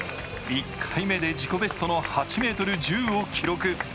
１回目で自己ベストの８ｍ１０を記録